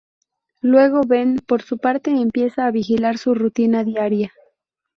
Luego Ben, por su parte, empieza a vigilar su rutina diaria.